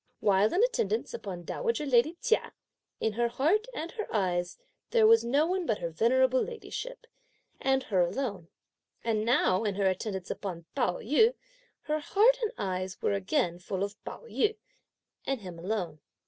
While in attendance upon dowager lady Chia, in her heart and her eyes there was no one but her venerable ladyship, and her alone; and now in her attendance upon Pao yü, her heart and her eyes were again full of Pao yü, and him alone.